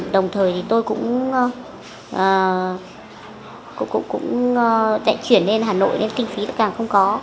đồng thời thì tôi cũng đã chuyển lên hà nội nên kinh phí nó càng không có